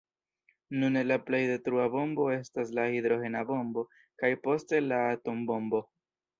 Nune la plej detrua bombo estas la hidrogena bombo kaj poste la atombombo.